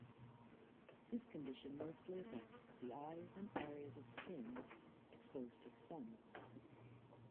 This condition mostly affects the eyes and areas of skin exposed to the sun.